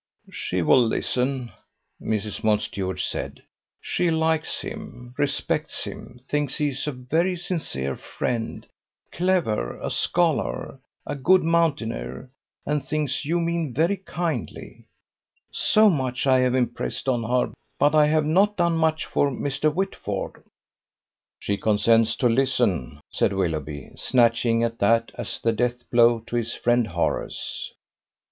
"She will listen." Mrs. Mountstuart said: "She likes him, respects him, thinks he is a very sincere friend, clever, a scholar, and a good mountaineer; and thinks you mean very kindly. So much I have impressed on her, but I have not done much for Mr. Whitford." "She consents to listen," said Willoughby, snatching at that as the death blow to his friend Horace.